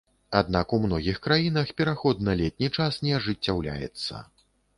Аднак у многіх краінах пераход на летні час не ажыццяўляецца.